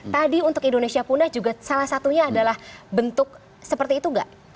tadi untuk indonesia pundah juga salah satunya adalah bentuk seperti itu nggak